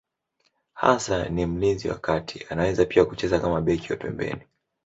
Hasa ni mlinzi wa kati, anaweza pia kucheza kama beki wa pembeni.